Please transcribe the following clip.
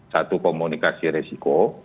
satu komunikasi resiko